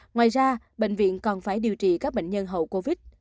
ngoài ra bệnh viện còn phải điều trị các bệnh nhân hậu covid